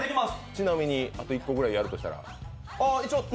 ちなみにあと１個ぐらいやるとしたら。